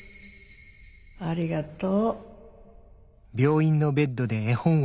ありがとう。